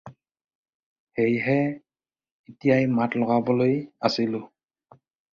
সেইহে এতিয়াই মাত লগাবলৈ আহিলোঁ।